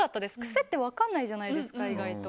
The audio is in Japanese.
癖って分かんないじゃないですか